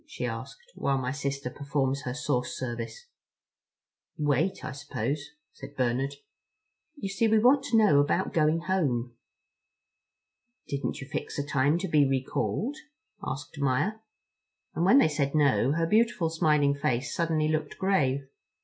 she asked, "while my sister performs her source service?" "Wait, I suppose," said Bernard. "You see we want to know about going home." "Didn't you fix a time to be recalled?" asked Maia. And when they said no, her beautiful smiling face suddenly looked grave.